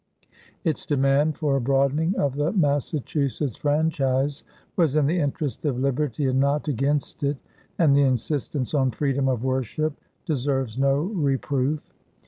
Its demand for a broadening of the Massachusetts franchise was in the interest of liberty and not against it, and the insistence on freedom of worship deserves no reproof.